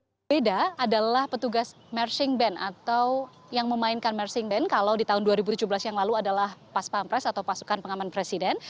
yang berbeda adalah petugas marching band atau yang memainkan merching band kalau di tahun dua ribu tujuh belas yang lalu adalah pas pampres atau pasukan pengaman presiden